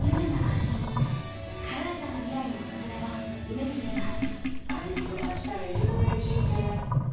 軽やかな未来の訪れを夢みています。